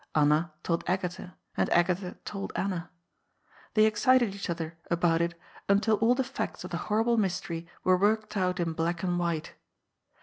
Anna told Agatha, and Agatha told Anna. They excited each other about it until all the facts of the horrible mystery were worked out in black and white.